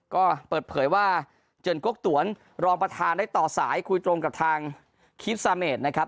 ก็เปิดเผยว่าเจินกกตวนรองประธานได้ต่อสายคุยตรงกับทางคิปซาเมดนะครับ